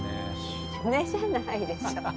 昼寝じゃないでしょ。